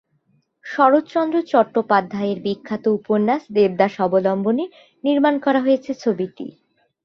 শরৎচন্দ্র চট্টোপাধ্যায় এর বিখ্যাত উপন্যাস "দেবদাস" অবলম্বনে নির্মাণ করা হয়েছে ছবিটি।